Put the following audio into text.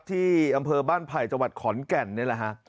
ที่อำเภอบ้านไผ่จังหวัดขอนแก่นนี่แหละฮะ